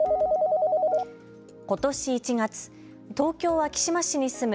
ことし１月、東京・昭島市に住む